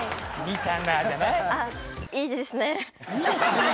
「いいですね」？